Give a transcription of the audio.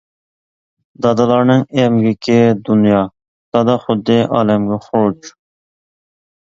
دادىلارنىڭ ئەمگىكى دۇنيا، دادا خۇددى ئالەمگە خۇرۇچ.